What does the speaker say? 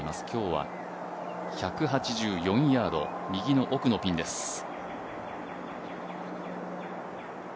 今日は１８４ヤード、右の奥のピンです。